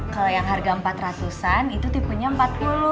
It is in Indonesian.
kalau yang harga empat ratus an itu tipenya empat puluh